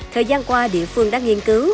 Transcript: thời gian qua địa phương đã nghiên cứu